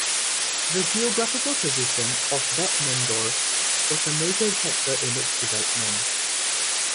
The geographical position of Bad Nenndorf was a major factor in its development.